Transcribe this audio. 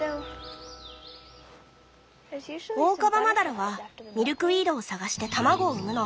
オオカバマダラはミルクウィードを探して卵を産むの。